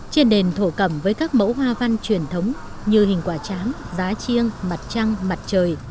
trên đền thổ cầm với các mẫu hoa văn truyền thống như hình quả tráng giá chiêng mặt trăng mặt trời